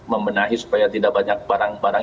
membenahi supaya tidak banyak barang barang